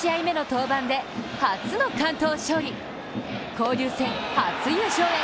交流戦初優勝へ！